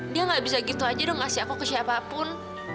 dia gak bisa gitu aja dong ngasih aku ke siapapun